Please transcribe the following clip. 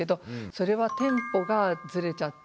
それはテンポがずれちゃった。